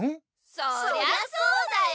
そりゃそうだよ。